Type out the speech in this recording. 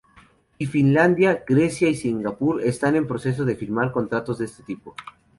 Y Finlandia, Grecia y Singapur están en proceso de firmar contratos de ese tipo.